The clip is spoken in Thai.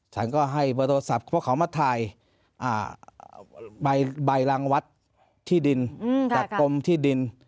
ฉันก็ให้เบอร์โทรศัพท์พวกเขามาถ่ายใบรางวัดที่ดินจากกรมที่ดิน